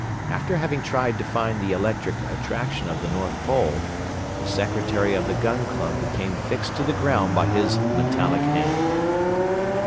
After having tried to find the electric attraction of the North Pole, the secretary of the Gun Club became fixed to the ground by his metallic hand.